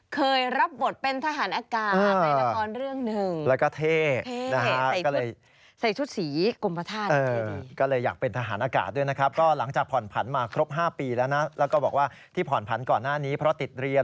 เคยรับบทเป็นทหารอากาศในละครเรื่องหนึ่ง